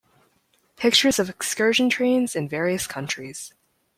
Pictures of excursion trains in various countries.